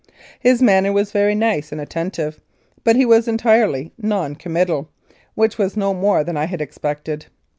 His manner was very nice and attentive, but he was entirely non committal, which was no more than I had expected.